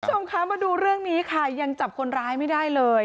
คุณผู้ชมคะมาดูเรื่องนี้ค่ะยังจับคนร้ายไม่ได้เลย